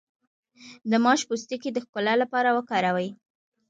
د ماش پوستکی د ښکلا لپاره وکاروئ